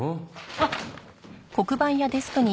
あっ。